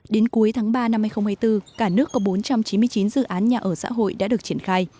đến cuối tháng ba năm hai nghìn hai mươi bốn cả nước có bốn trăm chín mươi chín dự án nhà ở xã hội đã được triển khai